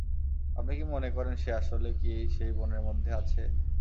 আপনি কি মনে করেন সে আসলে কি সেই বনের মধ্যে আছে?